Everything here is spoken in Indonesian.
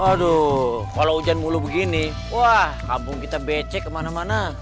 aduh kalau hujan mulu begini kabung kita becek kemana mana